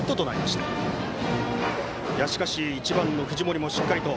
しかし、１番の藤森もしっかりと。